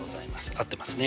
合ってますね。